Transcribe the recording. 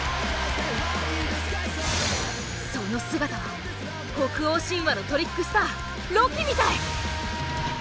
その姿は北欧神話のトリックスターロキみたい！